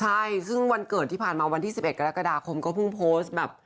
ใช่ซึ่งวันเกิดที่ผ่านมาวันที่๑๑กรกฎาคมก็เพิ่งโพสต์แบบ